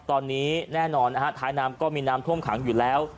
ตอนนี้แน่นอนนะฮะท้ายน้ำก็มีน้ำท่วมขังอยู่แล้ว